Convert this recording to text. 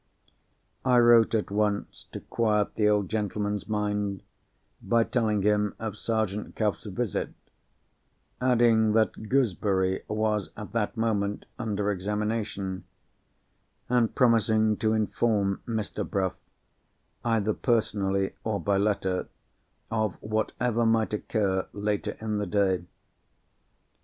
I wrote at once to quiet the old gentleman's mind, by telling him of Sergeant Cuff's visit: adding that Gooseberry was at that moment under examination; and promising to inform Mr. Bruff, either personally, or by letter, of whatever might occur later in the day.